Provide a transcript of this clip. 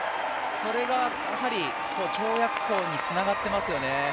それが跳躍高につながってますよね。